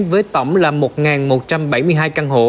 với tổng là một một trăm bảy mươi hai căn hộ